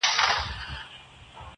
o اوس چي د مځكي كرې اور اخيستـــــى.